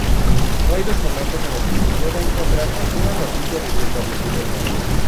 No hay documentos en los que se pueda encontrar alguna noticia de su establecimiento.